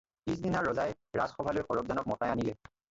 পিছদিনা ৰজাই ৰাজসভালৈ সৰব্জানক মতাই আনিলে।